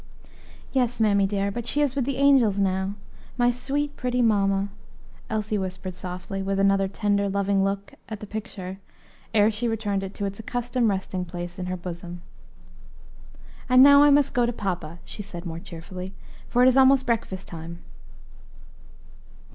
"Yes, mammy dear, but she is with the angels now my sweet, pretty mamma!" Elsie whispered softly, with another tender, loving look at the picture ere she returned it to its accustomed resting place in her bosom. "And now I must go to papa," she said more cheerfully, "for it is almost breakfast time."